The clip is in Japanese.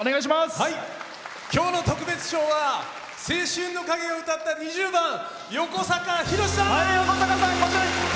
今日の特別賞は「青春の影」を歌った２０番、よこさかさん。